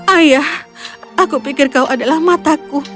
ayah aku pikir kau adalah mataku